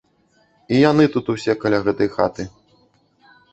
І яны тут усе каля гэтай хаты.